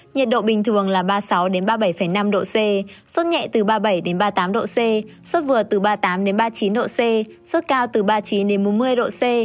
nhiệt độ bình thường là ba mươi sáu ba mươi bảy năm độ c suốt nhẹ từ ba mươi bảy ba mươi tám độ c xuất vừa từ ba mươi tám ba mươi chín độ c cao từ ba mươi chín bốn mươi độ c